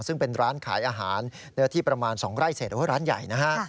ซึ่งเป็นร้านขายอาหารเนื้อที่ประมาณ๒ไร่เศษหรือว่าร้านใหญ่นะฮะ